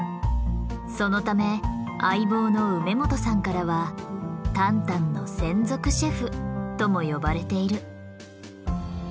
そのため相棒の梅元さんからはタンタンの専属シェフとも呼ばれている。